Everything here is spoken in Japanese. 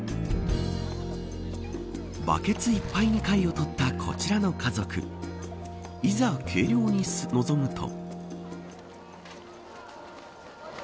バケツいっぱいに貝を取ったこちらの家族いざ、計量に臨むと。